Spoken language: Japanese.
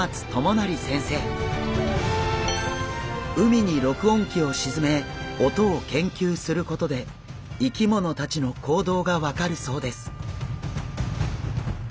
海に録音機を沈め音を研究することで生き物たちの行動が分かるそうです。